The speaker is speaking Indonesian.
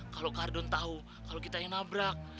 kalo kartun tau kalo kita yang nabrak